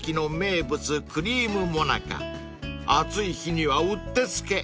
［暑い日にはうってつけ。